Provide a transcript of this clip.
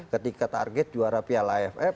ketika target juara piala aff